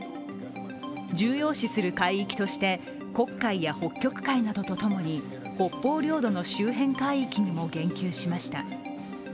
重要視する海域として、黒海や北極海などとともに北方領土の周辺海域にも言及しました。